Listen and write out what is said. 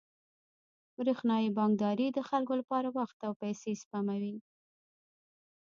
برېښنايي بانکداري د خلکو لپاره وخت او پیسې سپموي.